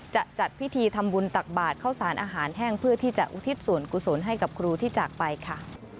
จัดพิธีทำบุญตักบาทเข้าสารอาหารแห้งเพื่อที่จะอุทิศส่วนกุศลให้กับครูที่จากไปค่ะ